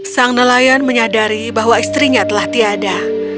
sang nelayan menyadari bahwa istrinya telah tiada